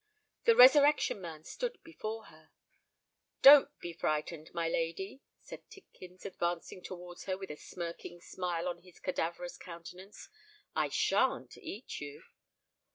The Resurrection Man stood before her! "Don't be frightened, my lady," said Tidkins, advancing towards her with a smirking smile on his cadaverous countenance: "I shan't eat you!"